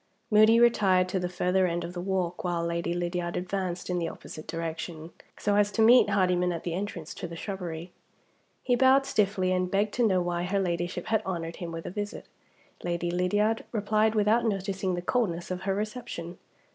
Moody retired to the further end of the walk, while Lady Lydiard advanced in the opposite direction, so as to meet Hardyman at the entrance to the shrubbery. He bowed stiffly, and begged to know why her Ladyship had honored him with a visit. Lady Lydiard replied without noticing the coldness of her reception.